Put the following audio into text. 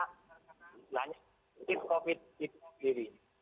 selain covid sembilan belas sendiri